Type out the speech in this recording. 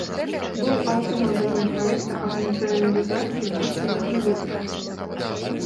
Быў аўтарам законапраекта аб нацыяналізацыі нафтавых радовішчаў.